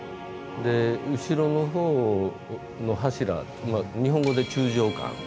で後ろのほうの柱は日本語で柱状棺。